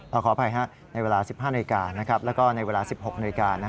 ขออภัยในเวลา๑๕นาฬิกาแล้วก็ในเวลา๑๖นาฬิกา